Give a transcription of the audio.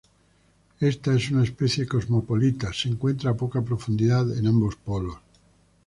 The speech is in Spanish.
Esta es una especie cosmopolita, se encuentra a poca profundidad en ambos polos.